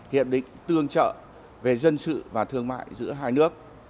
hiệp định tương trợ về dân sự và thương mại giữa hai nước